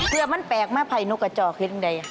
เพื่อมันแปลกแม่ภัยหนูกระจ่อคิดอย่างไร